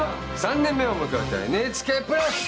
３年目を迎えたＮＨＫプラス！